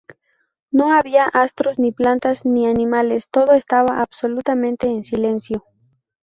No había astros, ni plantas, ni animales; todo estaba absolutamente en silencio.